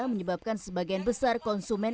menyebabkan sebagian besar konsumen